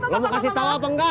lo mau kasih tau apa engga